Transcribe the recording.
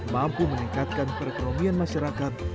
mampu meningkatkan perekonomian masyarakat